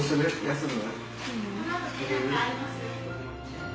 休む？